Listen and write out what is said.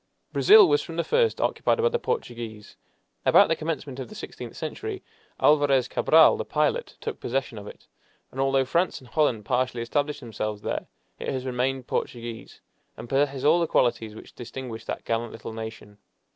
Brazil was from the first occupied by the Portuguese. About the commencement of the sixteenth century, Alvarez Cabral, the pilot, took possession of it, and although France and Holland partially established themselves there, it has remained Portuguese, and possesses all the qualities which distinguish that gallant little nation.